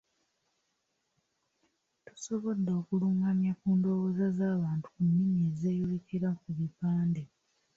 Tusobodde okulungamya ku ndowooza z'abantu ku nnimi ezeeyolekera ku bipande.